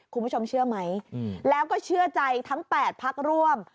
คุณผู้ชมเชื่อไหมแล้วก็เชื่อใจทั้ง๘พักร่วม